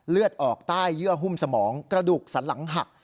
เลือดออกใต้เยื่อหุ้มสมองกระดูกสันหลังหัก